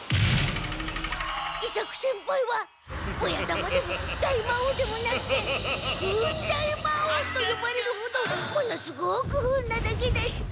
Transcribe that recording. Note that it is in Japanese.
伊作先輩は親玉でも大魔王でもなくて不運大魔王とよばれるほどものすごく不運なだけだし。